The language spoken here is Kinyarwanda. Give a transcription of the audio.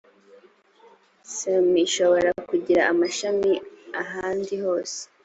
cma ishobora kugira amashami ahandi hose